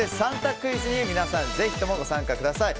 クイズに皆さん、ぜひともご参加ください。